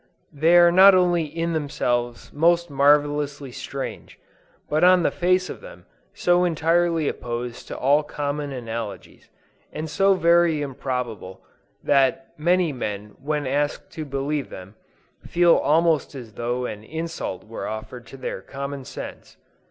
They are not only in themselves most marvelously strange, but on the face of them so entirely opposed to all common analogies, and so very improbable, that many men when asked to believe them, feel almost as though an insult were offered to their common sense.